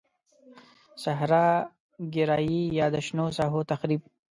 صحرا ګرایی یا د شنو ساحو تخریب.